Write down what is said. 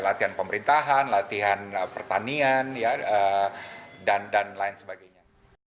latihan pemerintahan latihan pertanian dan lain sebagainya